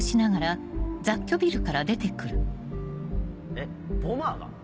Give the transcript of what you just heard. えっボマーが？